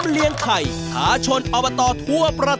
เร็ว